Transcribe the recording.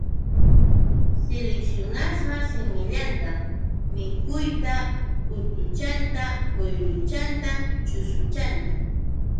Siliksyunasa simillatam mikuyta, utuchanta, uyruchanta, chusuchanta.